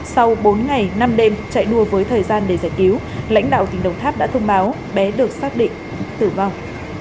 sau bốn ngày năm đêm chạy đua với thời gian để giải cứu lãnh đạo tỉnh đồng tháp đã thông báo bé được xác định tử vong